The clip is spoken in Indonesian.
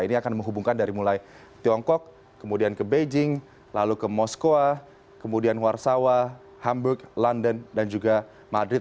ini akan menghubungkan dari mulai tiongkok kemudian ke beijing lalu ke moskwa kemudian warsawa hamburg london dan juga madrid